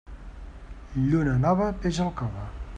Lluna nova, peix al cove.